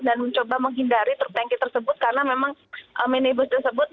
dan mencoba menghindari truk tanki tersebut karena memang minibus tersebut